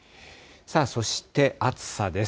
そして、暑さです。